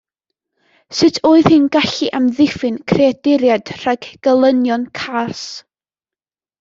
Sut oedd hi'n gallu amddiffyn creaduriaid rhag gelynion cas?